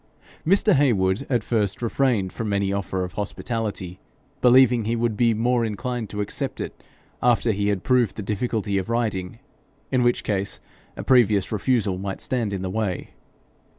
Mr. Heywood at first refrained from any offer of hospitality, believing he would be more inclined to accept it after he had proved the difficulty of riding, in which case a previous refusal might stand in the way.